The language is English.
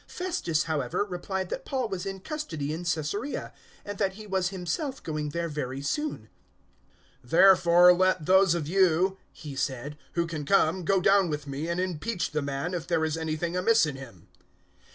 025:004 Festus, however, replied that Paul was in custody in Caesarea, and that he was himself going there very soon. 025:005 "Therefore let those of you," he said, "who can come, go down with me, and impeach the man, if there is anything amiss in him."